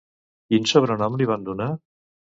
Quin sobrenom li van donar?